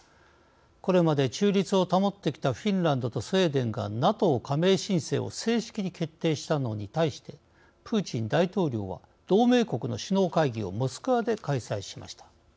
これまで中立を保ってきたフィンランドとスウェーデンがＮＡＴＯ加盟申請を正式に決定したのに対してプーチン大統領は同盟国の首脳会議をモスクワで開催しました。